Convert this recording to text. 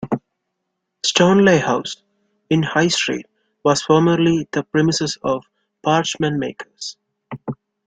Stoneleigh House, in High Street, was formerly the premises of parchment makers.